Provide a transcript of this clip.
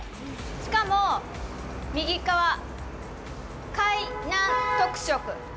しかも、右側、「海南特色」。